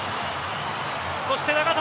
そして長友。